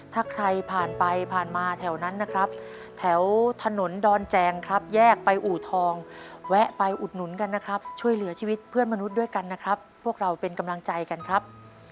ถ้าใครผ่านไปผ่านมาแถวนั้นนะครับแถวถนนดอนแจงครับแยกไปอู่ทองแวะไปอุดหนุนกันนะครับช่วยเหลือชีวิตเพื่อนมนุษย์ด้วยกันนะครับพวกเราเป็นกำลังใจกันครับ